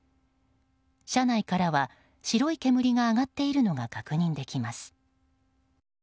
車内からは白い煙が上がっているのが確認できます。